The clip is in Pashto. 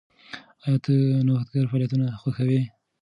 ایا ته نوښتګر فعالیتونه خوښوې؟